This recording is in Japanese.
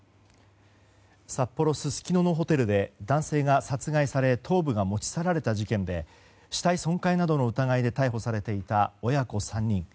札幌・すすきののホテルで男性が殺害され頭部が持ち去られた事件で死体損壊などの疑いで逮捕されていた親子３人。